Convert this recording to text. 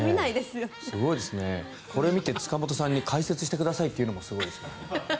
これを見て塚本さんに解説してくださいというのもすごいですね。